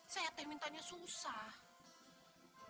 saya teh mintanya susah